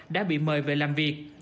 đã bị mời về làm việc